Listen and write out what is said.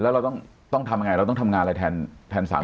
แล้วเราต้องทำยังไงเราต้องทำงานอะไรแทนสาว